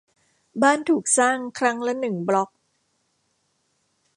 บ้านถูกสร้างครั้งละหนึ่งบล๊อก